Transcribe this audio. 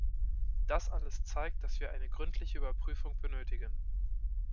Das alles zeigt, dass wir eine gründliche Überprüfung benötigen.